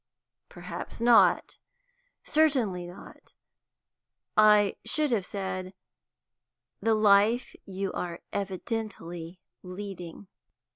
"Perhaps not. Certainly not. I should have said the life you are evidently leading."